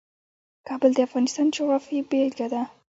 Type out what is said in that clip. کابل د افغانستان د جغرافیې بېلګه ده.